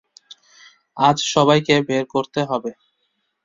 আজ সবাইকে বের করতে হবে।